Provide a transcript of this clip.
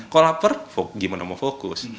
kalau lapar gimana mau fokus